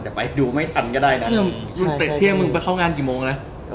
บอกให้ดูไม่ทันก็ได้นะ